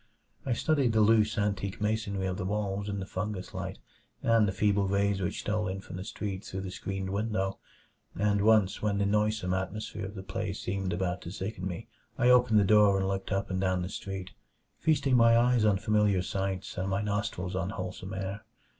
I studied the loose, antique masonry of the walls in the fungus light and the feeble rays which stole in from the street through the screened window; and once, when the noisome atmosphere of the place seemed about to sicken me, I opened the door and looked up and down the street, feasting my eyes on familiar sights and my nostrils on wholesome air.